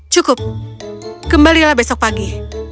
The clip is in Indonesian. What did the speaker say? cukup kembalilah besok pagi